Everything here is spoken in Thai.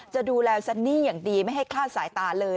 จะดูแลซันนี่อย่างดีไม่ให้คลาดสายตาเลย